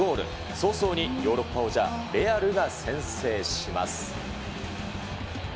早々にヨーロッパ王者、レアルが先制します。